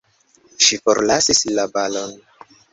Ŝi forlasis la balon!